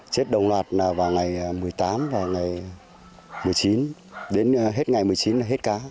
chết đồng loạt vào ngày một mươi tám và ngày một mươi chín đến hết ngày một mươi chín là hết cá